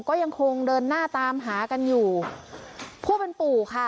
ก็ยังคงเดินหน้าตามหากันอยู่ผู้เป็นปู่ค่ะ